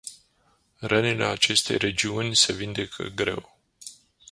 Rănile acestei regiuni se vindecă greu.